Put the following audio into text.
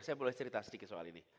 saya boleh cerita sedikit soal ini